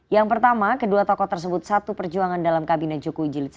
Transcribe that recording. yang pertama kedua tokoh tersebut satu perjuangan dalam kabinet jokowi jilid satu